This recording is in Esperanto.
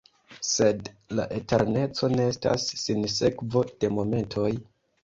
Sed la eterneco ne estas sinsekvo de momentoj!